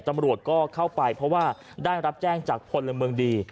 ตำรวจก็เข้าไปเพราะว่าได้รับแจ้งจากพลเมืองดี